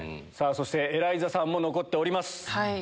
そしてエライザさんも残っております。